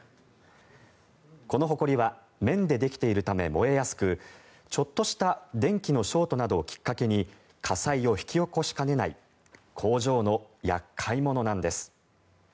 このほこりは綿でできているため燃えやすくちょっとした電気のショートなどをきっかけに火災を引き起こしかねない工場の厄介者なんです。